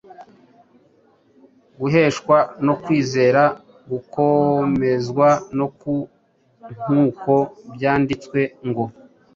guheshwa no kwizera, kugakomezwa na ko, nk’uko byanditswe ngo.